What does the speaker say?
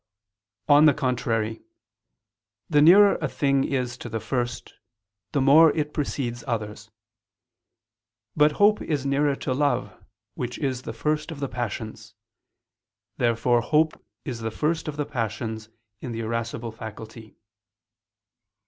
On the contrary, The nearer a thing is to the first, the more it precedes others. But hope is nearer to love, which is the first of the passions. Therefore hope is the first of the passions in the irascible faculty.